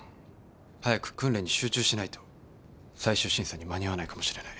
早く訓練に集中しないと最終審査に間に合わないかもしれない。